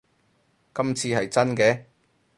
今次係真嘅